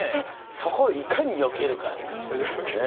そこをいかによけるかやんな。